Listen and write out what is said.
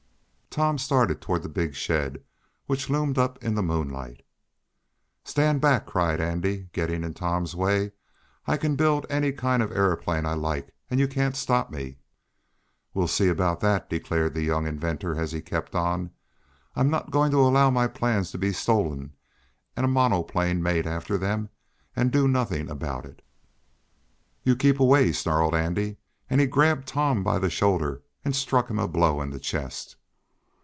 Tom started toward the big shed, which loomed up in the moonlight. "Stand back!" cried Andy, getting in Tom's way. "I can build any kind of an aeroplane I like, and you can't stop me!" "We'll see about that," declared the young inventor, as he kept on. "I'm not going to allow my plans to be stolen, and a monoplane made after them, and do nothing about it." "You keep away!" snarled Andy, and he grabbed Tom by the shoulder and struck him a blow in the chest.